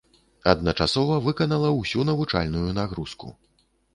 Адначасова выканала ўсю навучальную нагрузку.